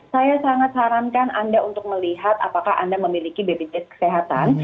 saya sangat sarankan anda untuk melihat apakah anda memiliki bpjs kesehatan